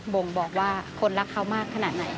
บ่งบอกว่าคนรักเขามากขนาดไหน